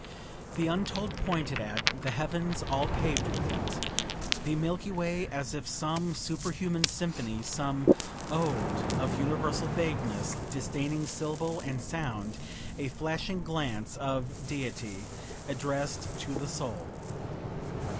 The untold pointed at the heavens all paved with it. The Milky Way, as if some superhuman symphony, some ode of universal vagueness, disdaining syllable and sound a flashing glance of Deity, address'd to the soul.